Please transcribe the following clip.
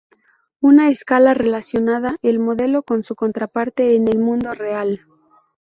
Una escala relaciona el modelo con su contraparte en el mundo real.